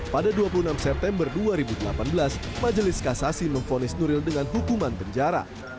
pada dua puluh enam september dua ribu delapan belas majelis kasasi memfonis nuril dengan hukuman penjara